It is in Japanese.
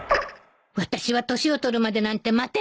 私は年を取るまでなんて待てないわ